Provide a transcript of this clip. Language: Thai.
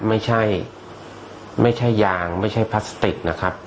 ไม่ใช่ไม่ใช่ยางไม่ใช่พลาสติกนะครับ